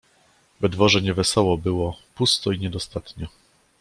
"We dworze nie wesoło było, pusto... i niedostatnio..."